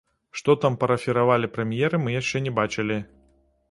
Што там парафіравалі прэм'еры, мы яшчэ не бачылі.